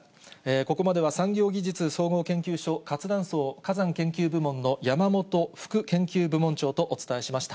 ここまでは、産業技術総合研究所活断層火山研究部門の山元副研究部門長とお伝えしました。